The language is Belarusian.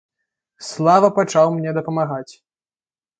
Слава пачаў мне дапамагаць.